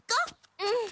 うん。